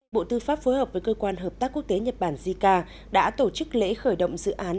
bộ tư pháp phối hợp với cơ quan hợp tác quốc tế nhật bản jica đã tổ chức lễ khởi động dự án